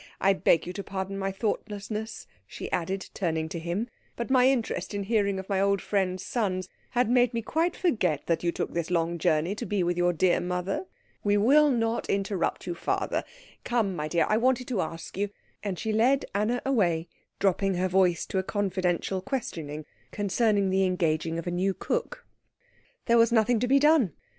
I beg you to pardon my thoughtlessness," she added, turning to him, "but my interest in hearing of my old friends' sons has made me quite forget that you took this long journey to be with your dear mother. We will not interrupt you further. Come, my dear, I wanted to ask you " And she led Anna away, dropping her voice to a confidential questioning concerning the engaging of a new cook. There was nothing to be done.